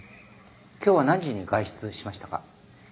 今日は何時に外出しましたか？